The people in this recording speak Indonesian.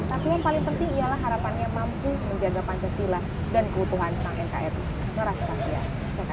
tapi yang paling penting ialah harapannya mampu menjaga pancasila dan keutuhan sang nkri meraspasia